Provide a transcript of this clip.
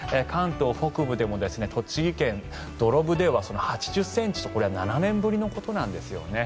関東北部でも栃木県土呂部では８０ｃｍとこれは７年ぶりのことなんです。